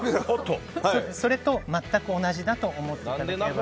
それと全く同じだと思っていただければ。